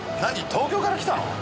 東京から来たの？